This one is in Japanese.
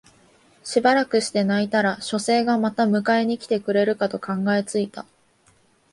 しばらくして泣いたら書生がまた迎えに来てくれるかと考え付いた